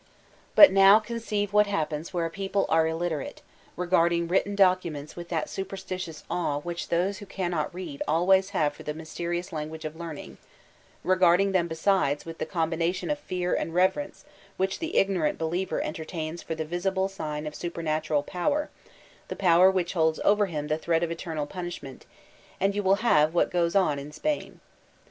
But now conceive what happens where a people are illiterate, regarding written documents with that super stitious awe which those who cannot read always have for the mjrsterious language of learning; r^arding them be sides with the combination of fear and reverence which the ignorant believer entertains for the visible sign of Supernatural Power, the Power which holds over him the threat of eternal punishment, — and you will have what goes on in Spain.